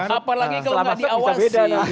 apalagi kalau gak diawasi